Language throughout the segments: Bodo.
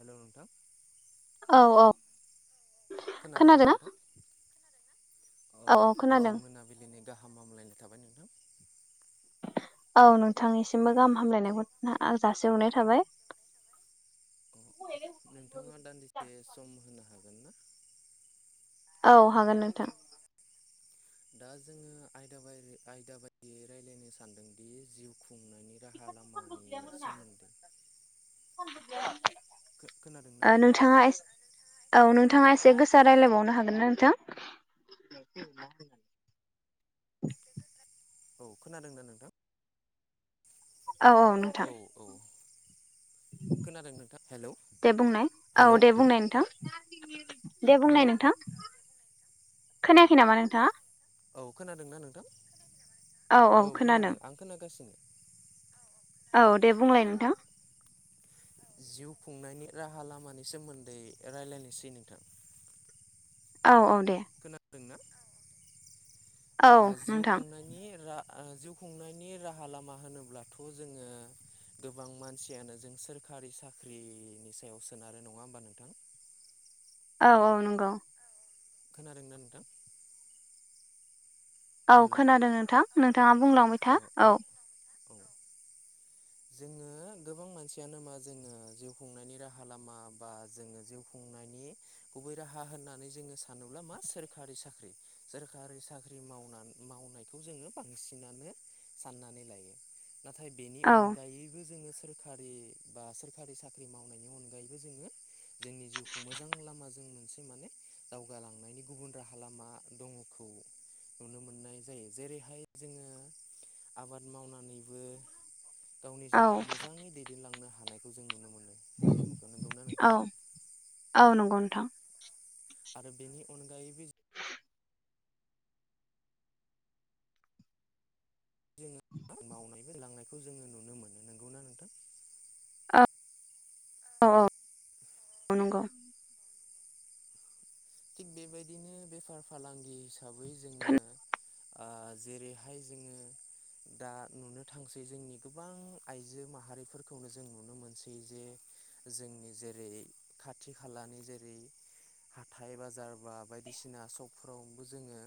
हेल' नोंथां। औ औ खोनादोंना नोंथां अ औ औ खोनादों गोजोन मोनाबि लिनि गाहाम हामलायनाय थाबाय नोंथां। औ नोंथांनिसिमबो गाहाम हामलायनायखौ जासिहरनाय आ थाबाय। अ नोंथाङा दान्दिसे सम होनो हागो औ हागोन नोंथां। दा जोङो आयदा बा आयदा बायदियै रायज्लायनो सानदोंदि जिउ खुं खुंनायनि राहा लामानि सोमो खोनादोंना ओ नोंथां नोंथाङा ए औ नोंथाङा एसे गोसा रायलायबावनो हागोन ना नोंथां। औ खोनादों ना नोंथां। औ औ नों औ औ खोनादों नोंथां हेल' दे बुंनाय औ हेल' दे बुंनाय नोंथां दे बुंनाय नोंथां खोनायाखै नामा नोंथाङा? औ खोनादोंना नोंथां औ खोनादों आं खोनागासिनो। औ दे बुंलाय नोंथां। जिउ खुंनायनि राहा लामानि सोमोन्दै रायलायनोसै नोंथां। औ औ दे खोनादोंना औ ओ जिउ नोंथां खुंनाय नि रा जिउ खुंनायनि राहा लामा होनोब्लाथ' जोङो गोबां मानसियानो जों सोरखारि साख्रिनि सायाव सोनारो नङा होमबा नोंथां। औ औ नंगौ। खोनादों ना नोंथां? औ हेलौ खोनादों नोंथां नोंथाङा बुंलांबाय था औ औ जोङो गोबां मानसियानो मा जोङो जिउ खुंनायनि राहा लामा बा जोङो जिउ खुंनायनि गुबै राहा होननानै जोङो सानोब्ला मा सोरखारि साख्रि। सोरखारि साख्रि मावनानै मावनायखौ जोङो बांसिनानो साननानै लायो। नाथाय बेनि औ अनगायैबो जोङो सो सोरखारि बा सोरखारि साख्रि मावनायनि अनगायैबो जोङो जोंनि जिउखौ मोजां लामाजों मोनसे माने दावगालांनायनि गुबुन राहा लामा दङ। खौ नुनो मोननाय जायो जेरैहाय जोङो आबाद मावनानैबो गावनि औ जिउखौ मोजाङै दैदेनलांनो हानायखौ जों नुनो मोनो दानि मुगायाव नोंगौना औ नोंथां? औ नंगौ नोंथां। आरो बेनि अनगायैबो जोङो मावनायबो लांनायखौ जोङो नुनो मोनो नोंगौना नोंथां? औ औ औ नंगौ थिग बेबायदिनो बेफार फालांगि हिसाबै जोङो ओ जेरैहाय जोङो दा नुनो थांसै जोंनि गोबां आइजो माहारिफोरखौनो जों नुनो मोनसै जे जोंनि जेरै खाथि खालानि जेरै थाइ बाजार बा बायदिसिना सकफोरावबो जोङो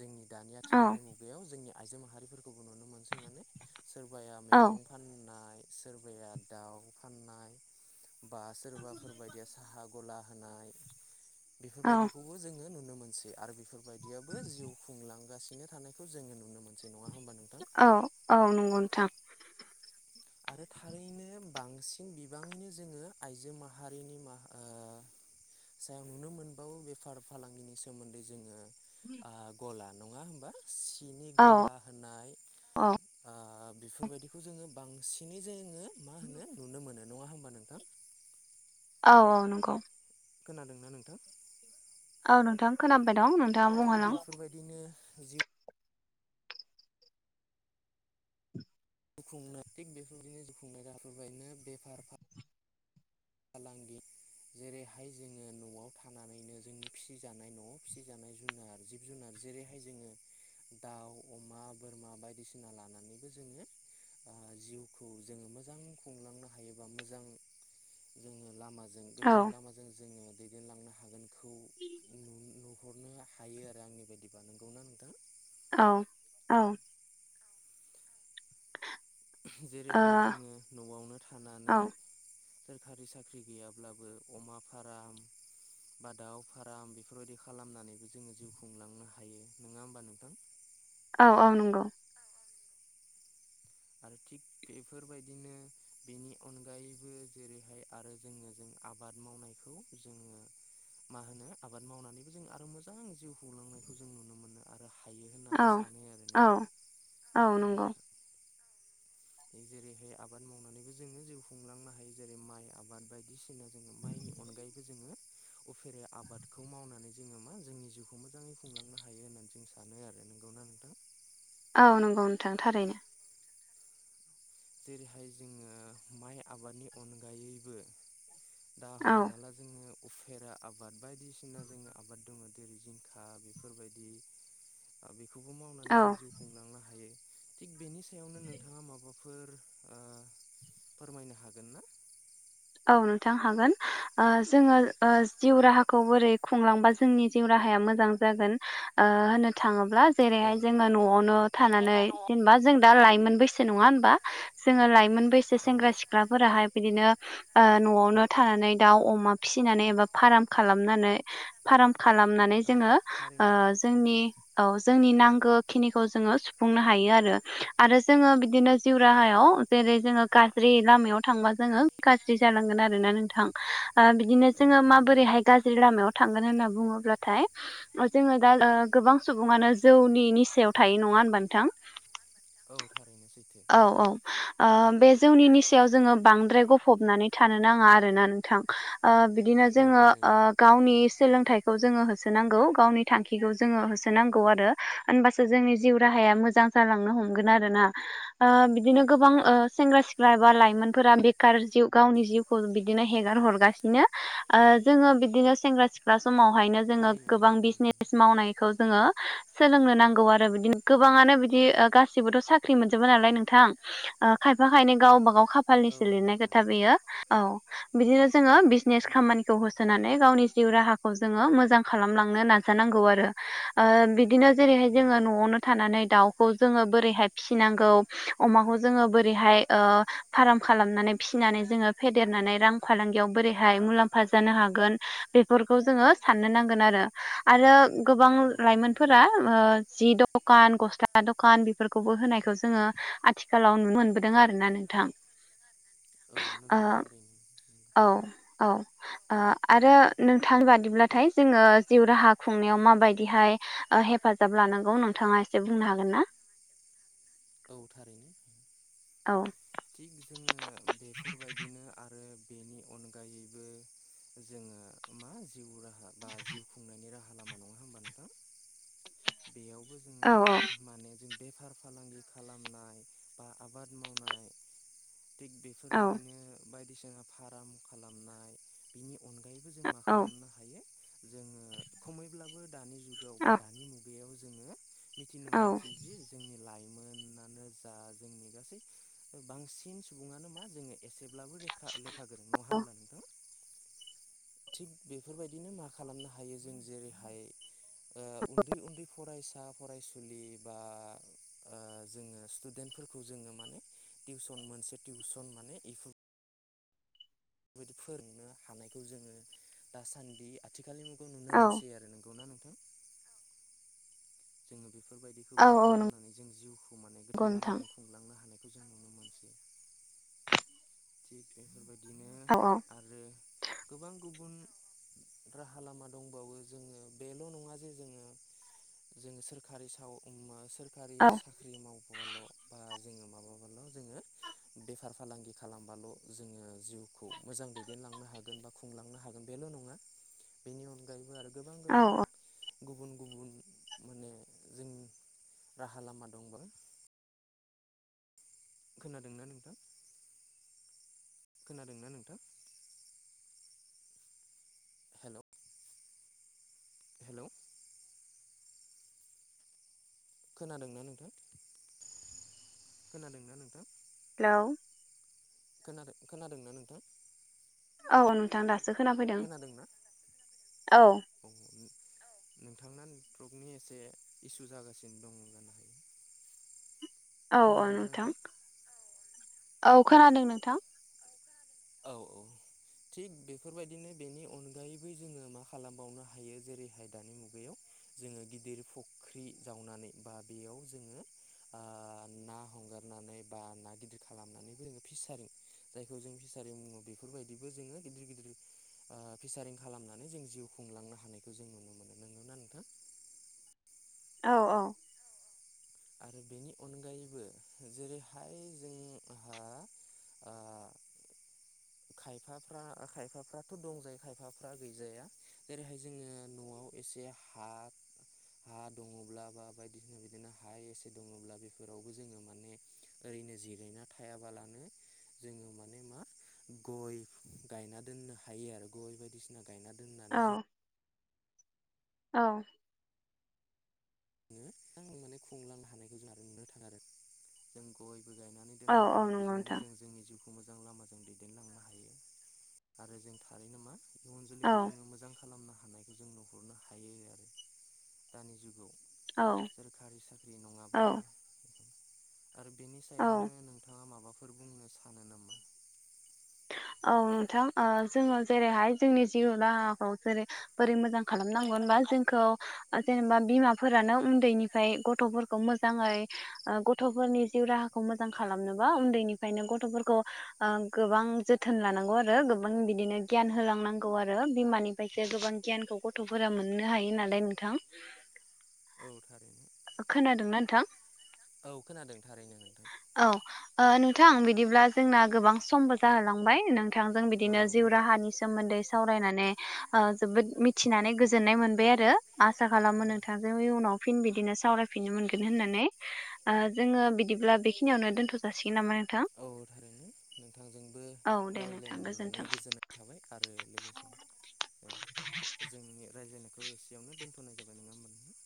जोंनि दानि औ आथिखालनि मुगा याव जोंनि आइजो माहारिफोरखौबो नुनो मोनसै माने सोरबाया औ मैगं फाननाय सोरबाया दाउ फाननाय बा सोरबाफोरबायायदिया साहा गला होनाय औ बेफोरबायदिखौ खौबो जोङो नुनो मोनसै आरो बेफोरबायदियाबो जिउ खुंलांगासिनो थानायखौ जोङो नुनो मोनसै नङा होमबा नों औ औ नंगौ नोंथां। आरो थारैनो बांसिन बिबाङैनो जोङो आइजो माहारिनि मा ओ सायाव नुनो मोनबावो बेफार फालांगिनि सोमोन्दै जोङो आ गला नङा होनबा सिनि औ गला होनाय औ ओ बेफोरबायदिखौ जोङो बांसिनै जोङो मा होनो नुनो मोनो नङा होमबा नोंथां? औ नंगौ खोनादोंना नोंथां? औ नोंथां खोनाबाय दं। नोंथाङा थिग बुंहोलां बेफोरबायदिनो जिउ खुंनो थिग बेफोरबायदिनो जिउ राहा फोरबायनो बेफार फालांगि जेरैहाय जोङो न'आव थानानैनो जोंनि फिसिजानाय न'आव फिसिजानाय जुनार जिब जुनार जेरैहाय जोङो दाउ अमा बोरमा बायदिसिना लानानैबो जोङो ओ जिउखौ जोङो मोजां खुंलांनो हायोबा मोजां। जोङो लामाजों औ गोथों लामाजों जोङो दैदेनलांनो हागोनखौ जों नुनो हरनो हायो आरो आंनि बायदिबा नोंगौना नोंथां? औ औ जेरैहाय जोङो न'आवनो थानानै औ सोरखारि साख्रि गैयाब्लाबो अमा फाराम बा दाव फाराम बेफोरबायदि खालामनानैबो जोङो जिउ खुंलांनो हायो नङा होमबा नोंथां? औ औ नंगौ। आरो थिग बेफोरबायदिनो बेनि अनगायैबो जेरैहाय आरो जोङो जों आबाद मावनायखौ जोङो मा होनो आबाद मावनानैबो जों आरो मोजां जिउ खुंलांनायखौ जों नुनो मोनो आरो हायो औ होननानै सानो आरो औ नोंगौ औ नंगौ। नोंथां जेरैहाय आबाद मावनानैबो जोङो जिउ खुंलांनो हायो जेरै माइ आबाद बायदिसि ना जोङो माइनि अनगायैबो जोङो उफेरे आबादखौ मावनानै जोङो मा जोंनि जिउखौ मोजाङै खुंलांनो हायो होननानै जों सान सानो आरो नोंगौना नोंथां [unintelligible] [unintelligible] औ नंगौ नोंथां थारैनो जेरैहाय जोङो माइ आबादनि अनगायैबो दा औ हमना ला जोङो उफेरा आबाद बायदिसिना जों आबाद दङ जेरै जिंखा बेफोरबायदि आ बेखौबो मावनानै जों औ जिउ खुंलांनो हायो थिग बेनि सायावनो नोंथाङा माबाफोर फोर ओ फोरमायनो हागोन ना? औ नोंथां हागोन ओ जोङो ओ जिउ राहाखौ बोरै खुंलांबा जोंनि जिउ राहाया मोजां जागोन ओ होननो थाङोब्ला औ जेरैहाय जोङो न'आवनो थानानै जेनबा जों दा लाइमोन बैसो नङा ओनबा जोङो लाइमोन बैसो औ सेंग्रा सिख्लाफोराहाय बिदिनो ओ न'आवनो थानानै दाउ अमा फिसिनानै एबा फाराम खालामनानै फाराम खालामनानै औ जोङो ओ थारैनो जोंनि सैथो औ जोंनि नांगोखिनिखौ जोङो सुफुंनो हायो आरो आरो। जोङो बिदिनो जिउ राहायाव जेरै जोङो गाज्रि लामायाव थांबा जोङो गाज्रि -ज्रि जालांगोन आरोना नोंथां ओ बिदिनो औ जोङो थारैनो नंगौ माबोरैहाय गा -ज्रि लामायाव थांगोन होनना बुङोब्लाथाय ओ जोङो दा ओ गोबां सुबुङानो जौनि निसायाव थायो नङा ओनबा नोंथां? औ थारैनो सैथो औ औ ओ बे जौनि निसायाव ओ जोङो बांद्राय गफब -फबनानै थानो नाङा आरोना नोंथां ओ बिदिनो औ जोङो ओ थारैनो गावनि सोलोंथाइखौ जोङो होसोनांगौ गावनि थांखिखौ जोङो होसोनांगौ आरो। ओनबासो जोंनि जिउ राहाया मोजां जालांनो हमगोन आरो ना। ओ बिदिनो गोबां ओ सेंग्रा सिख्ला एबा लाइमोनफोरा बेकार जिउ थांखिखौ बिदिनो गोबां गावनि ओ जिउखौ बिदि बिदिनो हेगार हरगासिनो ओ जोङो बिदिनो सेंग्रा सिख्ला समावहायनो जोङो थारैनो गोबां नंगौ नोंथां बिजनेस मावनायखौ जोङो सोलोंनो नांगौ आरो बिदिनो गोबाङानो बिदि ओ गासिबोथ' साख्रि मोनजोबा नालाय नोंथां ओ खायफा खायनै गावबा गाव जोङो औ खाफालनिसो लिरनाय नंगौ औ नंगौ खोथा बेयो नोंथां औ बिदिनो जोङो बिजनेस खामानिखौ होसोनानै गावनि जिउ राहाखौ जोङो मोजां खालामलांनो नाज -जानांगौ आरो। ओ बिदिनो जेरैहाय जोङो न'आवनो थानानै दाउखौ जोङो बोरैहाय फिसिनांगौ अमाखौ जोङो बोरैहाय ओ फाराम खालामनानै फिसिनानै जोङो फेदेरनानै रां फालांगियाव बोरैहाय मुलाम्फा जानो हागोन। बेफोरखौ जोङो साननो नांगोन आरो। आरो गोबां औ थारैनो। लाइमोनफोरा ओ जि लाइमोनफोरा दकान गस्ला दकान बेफोरखौबो होनायखौ जोङो आथिखालाव नुनो मोनबोदों आरोना नोंथां औ ओ नोंगौ थारैनो औ औ ओ आरो नोंथांनि बादिब्लाथाय जोङो जिउ राहा खुंनायाव माबायदिहाय ओ हेफाजाब लानांगौ नोंथाङा एसे बुंनो हागोन ना? औ थारैनो औ थिग दोङो बेफोरबायदिनो आरो बेनि अनगायैबो जोङो मा जिउ राहा बा जिउ खुंनायनि राहा लामा नङा होमबा नोंथां बेयावबो औ जोङो माने जों बेफार फालांगि खालामनाय बा आबाद मावनाय थिग औ बेफोरबायदिनो बायदिसिना फाराम खालामनाय बिनि अन गायैबो जों मा औ खालामनो हायो जोङो खमैब्लाबो दानि जुग जुगाव बा औ औ दानि मुगायाव जोङो मिथिनो औ मोनसै जि जोंनि लाइमोनानो जा जोंनि गासै बांसिन सुबुङानो मा जोङो एसेब्लाबोे रेखा लेखा गोरों नङा होमब्ला नोंथां? थिग बेफोरबायदिनो मा खालामनो हायो जों जेरैहाय ओ उन्दै उन्दै फरायसा फरायसुलि बा ओ जोङो स्टुडेन्टफोरखौ जोङो माने टिउसन मोनसे टिउसन माने इफोर बेबायदि फोरोंनो हानायखौ जोङो दासान्दि आथिखालनि जुगाव नुनो औ मोनसै आरो नोंगौ ना नोंथां? जोङो बेफोरबायदिखौ औ बो औ खालामनानै जों जिउखौ माने गोथों नंगौ नोंथां लामाजों खुंलांनो हानायखौ जों नुनो मोनसै। थिग बेफोरबायदिनो औ औ आरो गोबां गुबुन राहा लामा दंबावो जोङो बेल' नङा जे जोङो जोङो सोरखारि साव मा सोरखारि औ साख्रि मावबोआल' बा जोङो माबा ह' जोङो बेफार फालांगि खालामबाल' जोङो जिउखौ मोजां दैदेनलांनो हागोन बा खुंलांनो हागोन बेल' नङा बेनि अनगायैबो आरो गोबां- औ गोबां औ गुबुन - गुबुन माने जों राहा लामा दंबो खोनादोंना नोंथां खोनादोंना नोंथां? Hello hello. खोनादोंना नोंथां खोनादोंना नोंथां। हेल'। खोनादों खोनादोंना नोंथां? औ नोंथां दासो खोना फैदों खोनादोंना औ। औ नोंथांना नेटवर्कनि एसे इसु जागासिनो दं। [inaudible] औ औ नोंथां औ खोनादों नोंथां। औ औ। थिग बेफोरबायदिनो बेनि अनगायैबो जोङो मा खालामबावनो हायो जेरैहाय दानि मुगायाव जोङो गिदिर फुख्रि जावनानै बा बेयाव जोङो ओ ना हगारनानै बा ना गिदिर खालामनानै जोङो फिसारिं जायखौ जों फिसारिं बुङो बेफोरबायदिबो जोङो गिदिर गिदिर ओ फिसारिं खालामनानै जों जिउ खुंलांनो हानायखौ जों नुनो मोनो नोंगौना नोंथां? औ औ। आरो बेनि अनगायैबो जेरैहाय जोंहा ओ खायफाफ्रा खायफाफ्राथ' दंजायो खायफाफ्रा गैजाया जेरैहाय जोङो न'आव एसे हा हा दङब्ला बा बायदिसिना बिदिनो हा एसे दङब्ला बेफोरावबो जोङो माने ओरैनो जिरायना थायाबालानो जोङो माने मा? गय गायना दोननो हायो आरो गय बायदिसिना गायना दोननानै औ औ। माने खुंलांनो हानायखौ जों आरो नुनो थाङा आरो जों गयबो गायनानै औ दोननो औ हायो नंगौ बिजोंबो नोंथां जों जोंनि जिउ मोजां लामाजों दैदेनलांनो हायो आरो जों थारैनो मा? इयुन औ जोलैखौ जोङो मोजां खालामनो हानायखौ जों नुहरनो हायो आरो दानि जुगाव। औ सोरखारि साख्रि औ नङाब्लाबो आरो बेनि औ सायावनो नोंथाङा माबा फोर बुंनो सानो नामा? औ नोंथां ओ जोङो जेरैहाय जोंनि जिउ राहाखौ जेरै बोरै मोजां खालामनांगौ होनबा जोंखौ जेनेबा बिमाफोरानो उन्दैनिफ्राय गथ'फोरखौ मोजाङै गथ'फोरनि जिउ राहाखौ मोजां खालामनोबा उन्दैनिफ्रायनो गथ'फोरखौ ओ गो गोबां जोथोन लानांगौ आरो गोबां बिदोनो गियान होलांनांगौ आरो बिमानिफ्रायसो गोबां गियानखौ गथ' गथ'फोरा मोननो हायो नालाय नोंथां। औ थारैनो। खोनादोंना नोंथां? औ खोनादों थारैनो नोंथां। औ ओ नोंथां बिदिब्ला जोंना गोबां समबो जाहोलांबाय नोंथां जों बिदिनो जिउ राहानि सोमोन्दै सावरायनानै ओ जोबोद मिथिनानै गोजोननाय मोनबाय आरो। आसा खालामो नोंथांजों उनाव फिन बिद बिदिनो सावरायफिनो मोनगोन होननानै ओ जोङो बिदिब्ला बेखिनियावनो दोनथ' जासिगोन नामा नोंथां औ थारैनो नोंथांजोंबो औ दे नोंथां रायज्लायनो गोजोन्थों। मोननानै गोजोननाय थाबाय आरो लोगोसे जोंनि रायज्लायनायखौ एसेयावनो दोनथ'नाय जाबाय नङा होमबा